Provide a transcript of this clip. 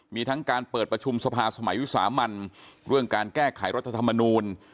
มีทั้งการเปิดประชุมสภาสมัยวิสามันเรื่องการแก้ไขรัฐธรรมนูล